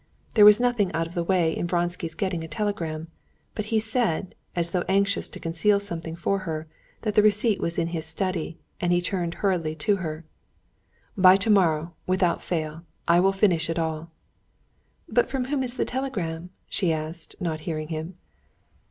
There was nothing out of the way in Vronsky's getting a telegram, but he said, as though anxious to conceal something from her, that the receipt was in his study, and he turned hurriedly to her. "By tomorrow, without fail, I will finish it all." "From whom is the telegram?" she asked, not hearing him.